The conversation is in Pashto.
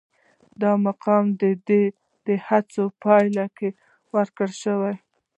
دا مقام د ده د هڅو په پایله کې ورکړل شو.